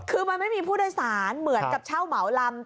คือมันไม่มีผู้โดยสารเหมือนกับเช่าเหมาลำ